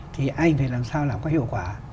thì anh phải làm sao làm có hiệu quả